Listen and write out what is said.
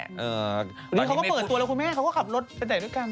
อันนี้เขาก็เปิดตัวแล้วคุณแม่เขาก็ขับรถไปไหนด้วยกัน